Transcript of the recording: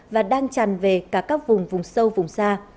và đang tràn về cả các vùng vùng sâu vùng xa